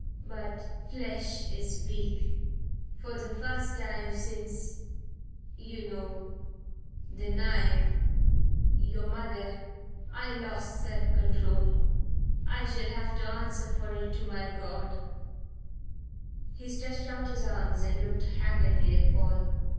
But flesh is weak. For the first time since you know the knife your mother I lost self control. I shall have to answer for it to my God " He stretched out his arms and looked haggardly at Paul.